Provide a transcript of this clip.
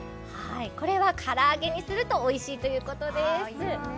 これは唐揚げにするとおいしいということです。